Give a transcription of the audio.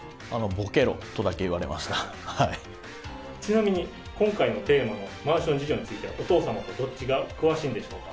ボケろ、ちなみに、今回のテーマのマンション事情については、お父様とどっちが詳しいんでしょうか？